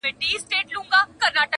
عالمونو زنده باد نارې وهلې.